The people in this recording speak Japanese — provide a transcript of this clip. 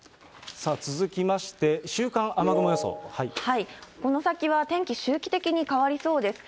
続きまして、この先は天気、周期的に変わりそうです。